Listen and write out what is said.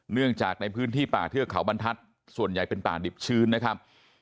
เนื่องจากในพื้นที่ป่าเทือกเขาบรรทัศน์ส่วนใหญ่เป็นป่าดิบชื้นนะครับ